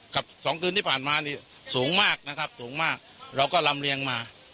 กับสองคืนที่ผ่านมานี่สูงมากนะครับสูงมากเราก็ลำเรียงมา